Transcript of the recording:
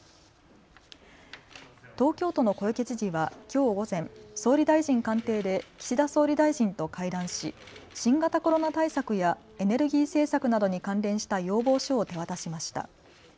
東京都の小池知事はきょう午前総理大臣官邸で岸田総理大臣と会談し新型コロナ対策やエネルギー政策などに関連した要望書を手渡しました。